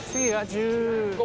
１５。